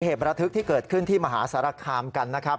ประทึกที่เกิดขึ้นที่มหาสารคามกันนะครับ